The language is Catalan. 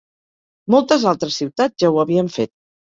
Moltes altres ciutats ja ho havien fet.